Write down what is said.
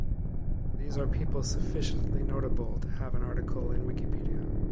These are people sufficiently notable to have an article in Wikipedia.